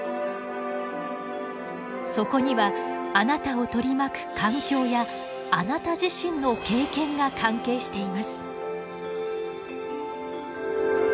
そこにはあなたを取り巻く環境やあなた自身の経験が関係しています。